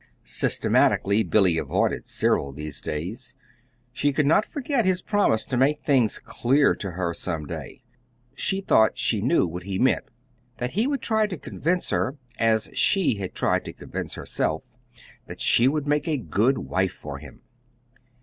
Systematically Billy avoided Cyril these days. She could not forget his promise to make many things clear to her some day. She thought she knew what he meant that he would try to convince her (as she had tried to convince herself) that she would make a good wife for him.